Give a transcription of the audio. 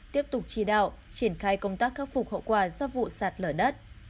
tiếp tục chỉ đạo triển khai công tác khắc phục hậu quả do vụ sạt lở đất